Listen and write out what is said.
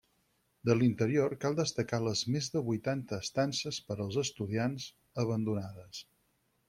De l'interior cal destacar les més de vuitanta estances per als estudiants, abandonades.